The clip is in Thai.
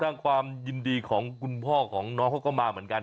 ความยินดีของคุณพ่อของน้องเขาก็มาเหมือนกัน